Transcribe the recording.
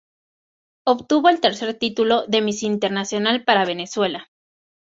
Obtuvo el tercer título de "Miss Internacional" para Venezuela.